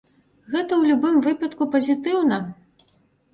Гэта ў любым выпадку пазітыўна.